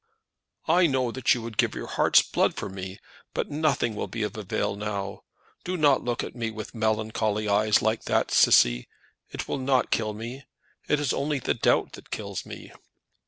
"I know that you would give your heart's blood for me; but nothing will be of avail now. Do not look at me with melancholy eyes like that. Cissy, it will not kill me. It is only the doubt that kills one."